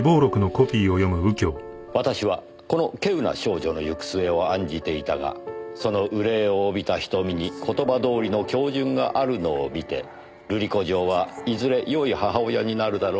「私はこの稀有な少女の行く末を案じていたがその憂いを帯びた瞳に言葉どおりの恭順があるのを見て瑠璃子嬢はいずれよい母親になるだろうと思った」